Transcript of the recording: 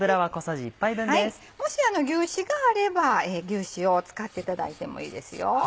もし牛脂があれば牛脂を使っていただいてもいいですよ。